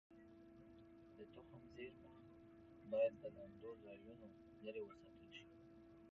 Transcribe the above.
د تخم زېرمه باید له لمدو ځایونو لرې وساتل شي.